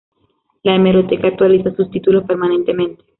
La hemeroteca actualiza sus títulos permanentemente.